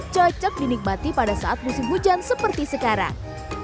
cocok dinikmati pada saat musim hujan seperti sekarang